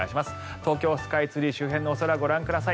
東京スカイツリー周辺のお空ご覧ください。